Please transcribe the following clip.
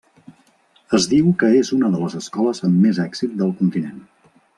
Es diu que és una de les escoles amb més èxit del continent.